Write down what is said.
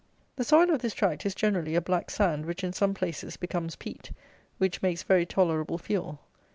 The soil of this tract is, generally, a black sand, which, in some places, becomes peat, which makes very tolerable fuel.